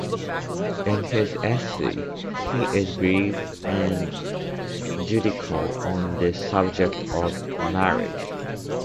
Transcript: In his essays he is brief and judicial on the subject of marriage.